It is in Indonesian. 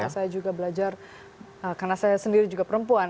saya juga belajar karena saya sendiri juga perempuan